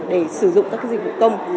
để sử dụng các dịch vụ công